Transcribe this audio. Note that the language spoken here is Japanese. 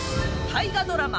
大河ドラマ